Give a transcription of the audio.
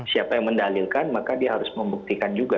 siapa yang mendalilkan maka dia harus membuktikan juga